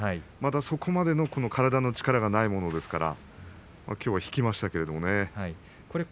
まだそこまでの体の力がないものですからきょうは引きましたけれどもね。